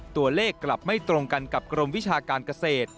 ตัวเลขกลับไม่ตรงกันกับกรมวิชาการเกษตร